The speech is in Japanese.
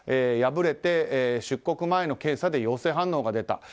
敗れて出国前の検査で陽性反応が出た。